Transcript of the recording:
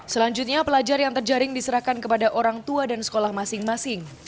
selanjutnya pelajar yang terjaring diserahkan kepada orang tua dan sekolah masing masing